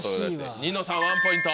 ニノさん１ポイント。